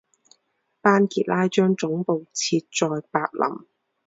班杰拉将总部设在柏林。